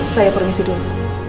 saya permisi dulu